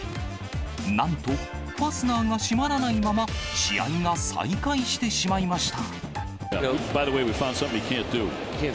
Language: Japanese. なんと、ファスナーが閉まらないまま、試合が再開してしまいました。